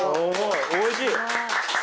おいしい！